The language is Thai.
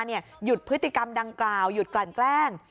หยุดพฤติกรรมดังกล่าวหยุดกลั่นแกล้ง